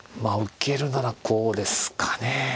受けるならこうですかね。